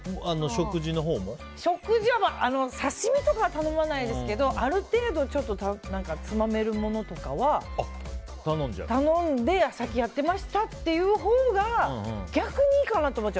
食事は刺し身とかは頼まないですけどある程度つまめるものとかは頼んで先やってましたというほうが逆にいいかなと思っちゃう。